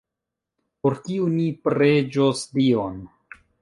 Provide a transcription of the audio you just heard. Por kiu ni preĝos Dion?